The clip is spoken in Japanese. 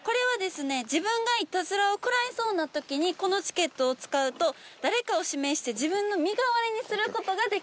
自分がイタズラを食らいそうなときにこのチケットを使うと誰かを指名して自分の身代わりにすることができます。